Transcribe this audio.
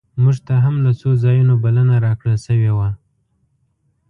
مونږ ته هم له څو ځایونو بلنه راکړل شوې وه.